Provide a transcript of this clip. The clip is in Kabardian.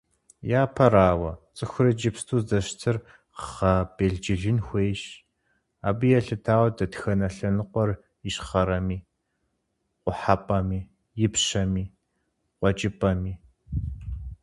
Япэрауэ, цӀыхур иджыпсту здэщытыр гъэбелджылын хуейщ, абы елъытауэ дэтхэнэ лъэныкъуэр ищхъэрэми, къухьэпӀэми, ипщэми, къуэкӀыпӀэми.